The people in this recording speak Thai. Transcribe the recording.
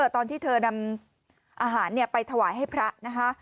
ตอนที่เธอนำอาหารไปถวายให้พระนะคะ